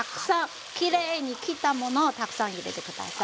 きれいに切ったものをたくさん入れて下さい。